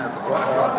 atau kepada keluarga